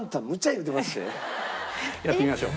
やってみましょう。